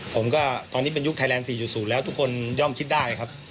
ผมก็ตอนนี้เป็นยุคไทยแลนด๔๐แล้วทุกคนย่อมคิดได้ครับ